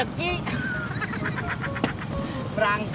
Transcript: emang lu itu anjur